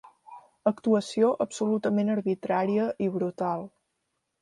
Actuació absolutament arbitrària i brutal.